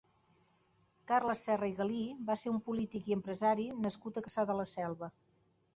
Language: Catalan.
Carles Serra i Galí va ser un polític i empresari nascut a Cassà de la Selva.